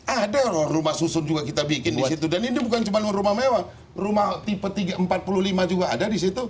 ada loh rumah susun juga kita bikin di situ dan ini bukan cuma rumah mewah rumah tipe empat puluh lima juga ada di situ